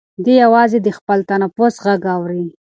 دی یوازې د خپل تنفس غږ اوري.